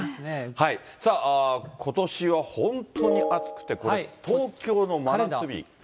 さあ、ことしは本当に暑くて、これ、東京の真夏日。